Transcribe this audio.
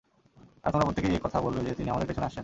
আর তোমরা প্রত্যেকেই এ কথা বলবে যে, তিনি আমাদের পেছনে আসছেন।